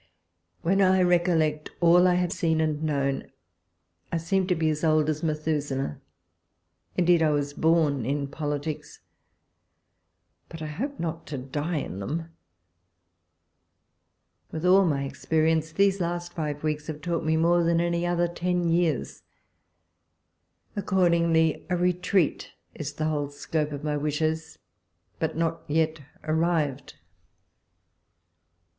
When I recollect all I have seen and known, I seem to be as old as Methuselah: indeed I was born in politics — but I hope not to die in them. 112 walpole's letters. With all my experience, these last five weeks have taught me more than any other ten years ; accordingly, a retreat is the whole scope of my wishes ; but not yet arrived.